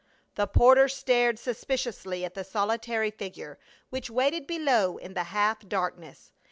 The porter stared suspiciously at the solitary figure, which waited below in the half darkness.